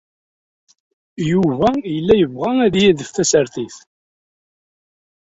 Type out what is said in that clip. Yuba yella yebɣa ad yadef tasertit.